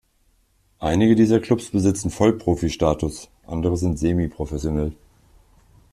Einige dieser Klubs besitzen Vollprofi-Status, andere sind semiprofessionell.